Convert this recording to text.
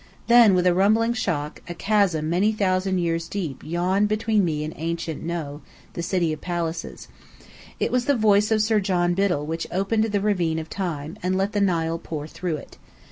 Then, with a rumbling shock, a chasm many thousand years deep yawned between me and ancient No, the City of Palaces: It was the voice of Sir John Biddell which opened the ravine of time, and let the Nile pour through it.